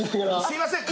すみません